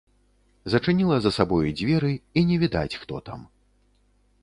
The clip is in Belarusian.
Зачыніла за сабою дзверы, і не відаць, хто там.